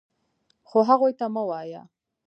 خو هغوی ته مه وایه .